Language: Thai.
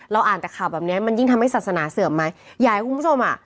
อ่านแต่ข่าวแบบเนี้ยมันยิ่งทำให้ศาสนาเสื่อมไหมอยากให้คุณผู้ชมอ่ะ